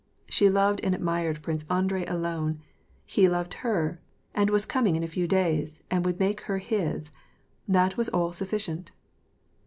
She loved and admired Prince Andrei alone ; he loved her, and was coming in a few days, and would make her his. That was all sufficient.